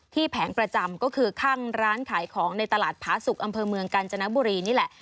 แผงประจำก็คือข้างร้านขายของในตลาดผาสุกอำเภอเมืองกาญจนบุรีนี่แหละ